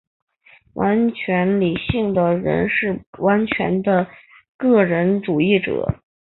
完全理性的人是完全的个人主义者。